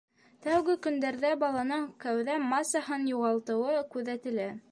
Тәүге көндәрҙә баланың кәүҙә массаһын юғалтыуы күҙәтелә.